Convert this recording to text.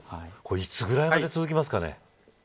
いつぐらいまで続きますかね。